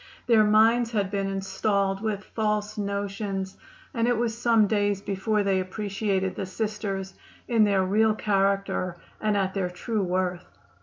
Their minds had been installed with false notions, and it was some days before they appreciated the Sisters in their real character and at their true worth.